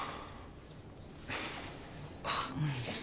あっ。